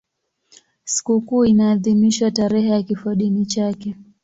Sikukuu inaadhimishwa tarehe ya kifodini chake.